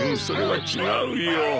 それは違うよ。